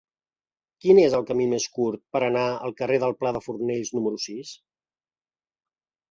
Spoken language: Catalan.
Quin és el camí més curt per anar al carrer del Pla de Fornells número sis?